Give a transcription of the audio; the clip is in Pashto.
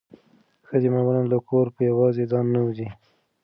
ښځې معمولا له کوره په یوازې ځان نه وځي.